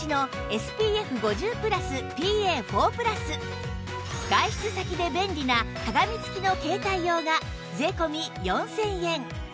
しかも外出先で便利な鏡付きの携帯用が税込４０００円